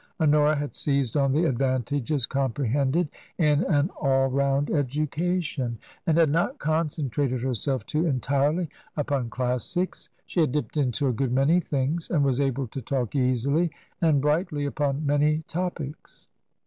Honora had seized on the advantages comprehended in an all round education, TRANSITION. 9 and had not concentrated herself too entirely upon clas sics ; she had " dipped into'' a good many things, and was able to talk easily and brightly upon many topics.